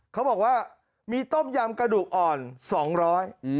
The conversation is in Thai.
เขาบอกว่ามีต้มยำกระดูกอ่อนสองร้อย